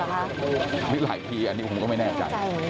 เอาที่เลือดเหรอคะหลายทีอันนั้นก็ไม่แน่ใจ